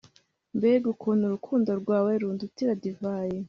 mbega ukuntu urukundo rwawe rundutira divayi